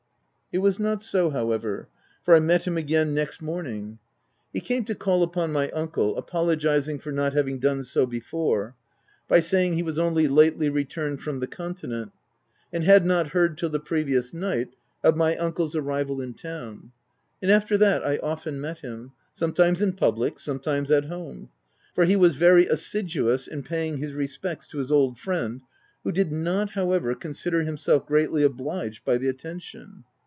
,, 284 THE TENANT It was not so, however, for I met him again next morning. He came to call upon my uncle, apologizing for not having done so before, by say ing he was only lately returned from the con tinent, and had not heard, till the previous night, of my uncle's arrival in town ; and after that, I often met him ; sometimes in public, sometimes at home ; for he was very assiduous in paying his respects to his old friend, who did not, how ever, consider himself greatly obliged by the attention.